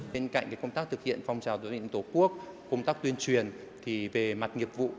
bên cạnh công tác thực hiện phong trào tổ quốc công tác tuyên truyền về mặt nghiệp vụ